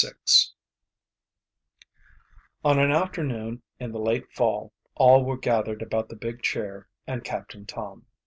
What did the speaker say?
VI On an afternoon in the late fall all were gathered about the big chair and Captain Tom.